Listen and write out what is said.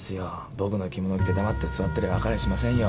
僕の着物着て黙って座ってりゃ分かりゃしませんよ。